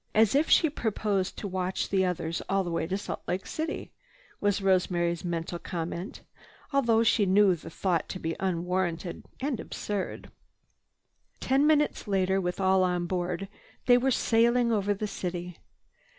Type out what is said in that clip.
"As if she proposed to watch the others all the way to Salt Lake City," was Rosemary's mental comment, although she knew the thought to be unwarranted and absurd. Ten minutes later, with all on board, they were sailing out over the city.